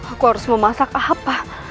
aku harus memasak apa